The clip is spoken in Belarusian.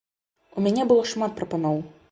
У мяне было шмат прапаноў.